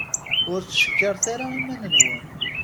Ur ttcekkiret ara iman-nwen.